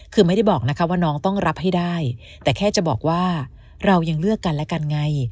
คือไม่ได้บอกนะคะว่าน้องต้องรับให้ได้แต่แค่จะบอกว่าเรายังเลือกกันและกันไง